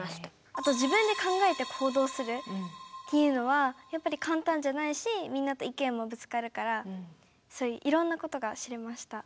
あと自分で考えて行動するっていうのはやっぱり簡単じゃないしみんなと意見もぶつかるからそういういろんなことが知れました。